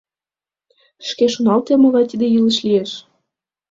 — Шке шоналте, могай тиде илыш лиеш?